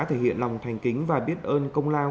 thể hiện lòng thành kính và biết ơn công lao